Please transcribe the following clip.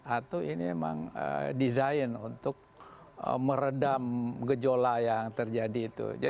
atau ini memang desain untuk meredam gejola yang terjadi itu